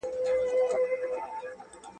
که ماشوم بیا راشي انا به څه وکړي؟